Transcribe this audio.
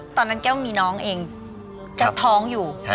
ตอนนั้นแก้วมีน้องเองกับท้องอยู่